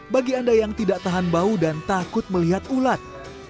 bagi anda yang tidak tahan bau dan takut melihat ulat